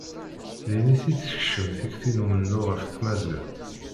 Din i t-id-tekcem tikti n umennuɣ ɣef tmaziɣt.